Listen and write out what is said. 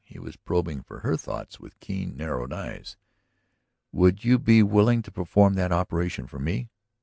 He was probing for her thoughts with keen, narrowed eyes. "Would you be willing to perform that operation for me?"